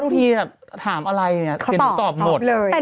เขาตอบแน่